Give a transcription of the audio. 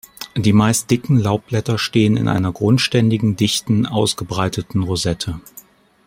Die meist dicken Laubblätter stehen in einer grundständigen, dichten, ausgebreiteten Rosette.